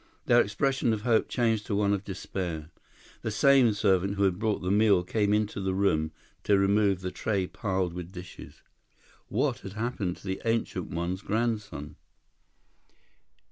Their expression of hope changed to one of despair. The same servant who had brought the meal came into the room to remove the tray piled with dishes. What had happened to the Ancient One's grandson?